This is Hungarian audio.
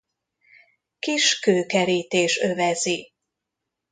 Kis kőkerítés övezi.